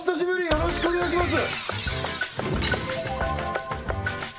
よろしくお願いします